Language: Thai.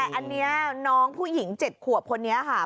แต่อันนี้น้องผู้หญิง๗ขวบคนนี้ค่ะ